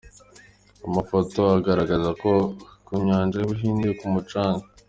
Amafoto aragaragza ko ku nyanja y’Ubuhinde ku mucanga.